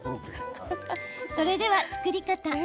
それでは作り方。